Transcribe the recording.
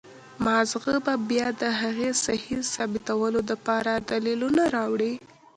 مازغه به بيا د هغې سهي ثابتولو د پاره دليلونه راوړي